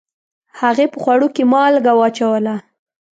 هغې په خوړو کې مالګه واچوله